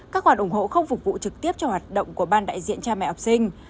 các khoản ủng hộ không phục vụ trực tiếp cho hoạt động của ban đại diện cha mẹ học sinh